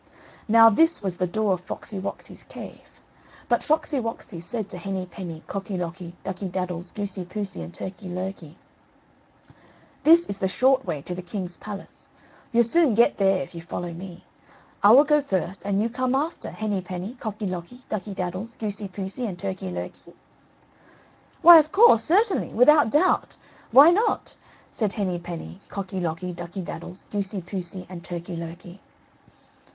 Now this was the door of Foxy woxy's cave. But Foxy woxy said to Henny penny, Cocky locky, Ducky daddles, Goosey poosey, and Turkey lurkey: "This is the short way to the king's palace you'll soon get there if you follow me. I will go first and you come after, Henny penny, Cocky locky, Ducky daddles, Goosey poosey, and Turkey lurkey." "Why of course, certainly, without doubt, why not?" said Henny Penny, Cocky locky, Ducky daddles, Goosey poosey, and Turkey lurkey.